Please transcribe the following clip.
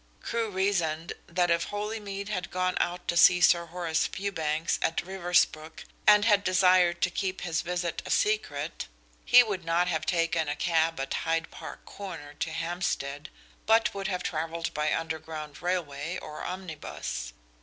Crewe reasoned that if Holymead had gone out to see Sir Horace Fewbanks at Riversbrook and had desired to keep his visit a secret he would not have taken a cab at Hyde Park Corner to Hampstead, but would have travelled by underground railway or omnibus.